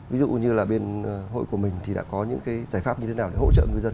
ví dụ như là bên hội của mình thì đã có những cái giải pháp như thế nào để hỗ trợ người dân